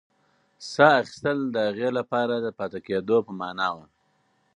ساه اخیستل د هغې لپاره د پاتې کېدو په مانا وه.